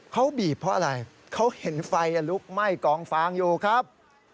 เขาบีบเพราะอะไรเขาเห็นไฟลุกไหม้กองฟางอยู่ครับ